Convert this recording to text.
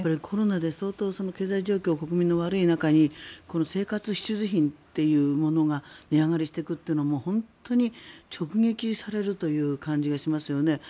コロナで相当、経済状況それらが悪い中で生活必需品というものが値上がりしていくというのは本当に直撃されるという感じがしますよね。